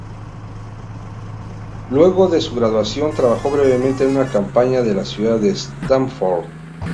Luego de su graduación trabajó brevemente en una compañía de la ciudad de Stamford.